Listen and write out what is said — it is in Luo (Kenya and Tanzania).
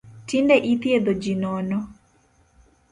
Tinde ithiedho ji nono